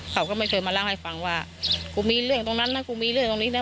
เขาก็ไม่เคยมาเล่าให้ฟังว่ากูมีเรื่องตรงนั้นนะกูมีเรื่องตรงนี้นะ